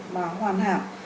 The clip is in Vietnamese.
mà hoàn hảo